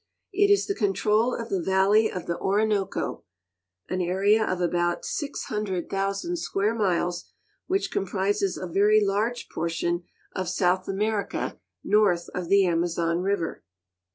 It is the control of the valley of the Orinoco, an area of about fl00,000 square miles, which comprises a very large i)ortion of South America north of the Amazon river.